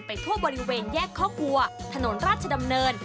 ทั่วบริเวณแยกข้อครัวถนนราชดำเนิน